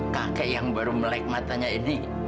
kakek yang baru melek matanya ini